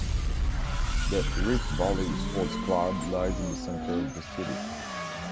The Rift Valley Sports Club lies in the centre of the city.